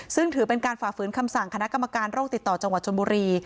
ซึ่งถือเป็นการฝ่าฝืนคำสั่งคณะกรรมการโรคติดต่อจังหวัดชนบุรี